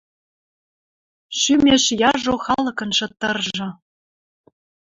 Шӱмеш яжо халыкын шытыржы